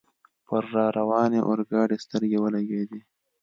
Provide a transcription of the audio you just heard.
پر را روانې اورګاډي سترګې ولګېدې.